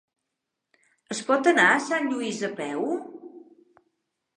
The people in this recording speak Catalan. Es pot anar a Sant Lluís a peu?